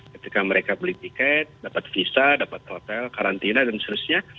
ketika mereka beli tiket dapat visa dapat hotel karantina dan seterusnya